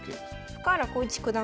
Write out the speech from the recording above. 深浦康市九段